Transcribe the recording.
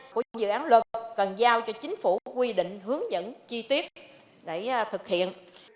của những dự án luật cần giao cho chính phủ quy định hướng dẫn chi tiết để thực hiện